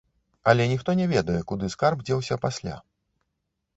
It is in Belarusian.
Але ніхто не ведае, куды скарб дзеўся пасля.